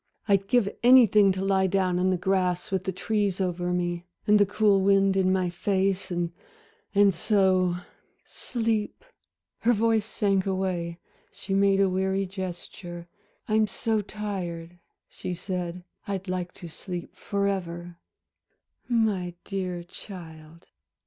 "I'd give anything to lie down in the grass with the trees over me, and the cool wind in my face, and so sleep" Her voice sank away, she made a weary gesture. "I'm so tired," she said, "I'd like to sleep forever." "My dear child."